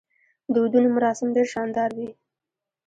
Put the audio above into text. د ودونو مراسم ډیر شاندار وي.